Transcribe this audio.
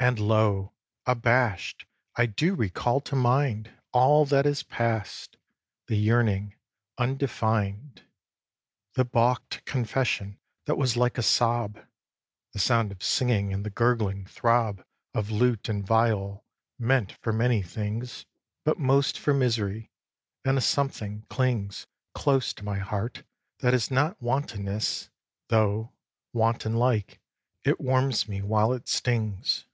x. And lo! abash'd, I do recall to mind All that is past: the yearning undefined, The baulk'd confession that was like a sob The sound of singing and the gurgling throb Of lute and viol, meant for many things But most for misery; and a something clings Close to my heart that is not wantonness, Though, wanton like, it warms me while it stings.